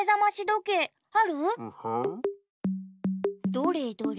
どれどれ。